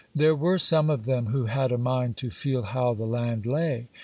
There were some of them who had a mind to feel how the land lay.